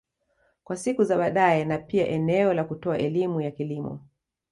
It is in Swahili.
Kwa siku za badae na pia eneo la kutoa elimu ya kilimo